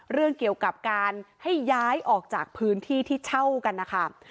เรื่องเกี่ยวกับการให้ย้ายออกจากพื้นที่ที่เช่ากันนะคะ